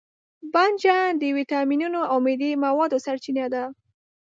بانجان د ویټامینونو او معدني موادو سرچینه ده.